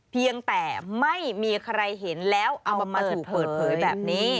เพียงแต่ไม่มีใครเห็นแล้วเอามาถูกเปิดเผยแบบนี้